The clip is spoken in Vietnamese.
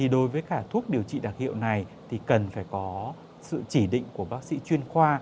đối với cả thuốc điều trị đặc hiệu này thì cần phải có sự chỉ định của bác sĩ chuyên khoa